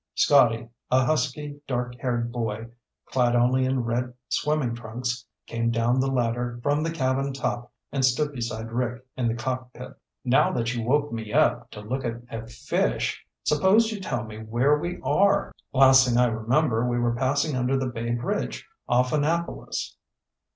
Scotty, a husky, dark haired boy clad only in red swimming trunks, came down the ladder from the cabin top and stood beside Rick in the cockpit. "Now that you woke me up to look at a fish, suppose you tell me where we are? Last thing I remember, we were passing under the Bay Bridge off Annapolis."